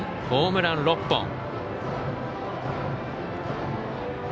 ホームラン６本。